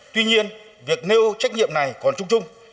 tuy nhiên việc nêu trách nhiệm này còn trung trung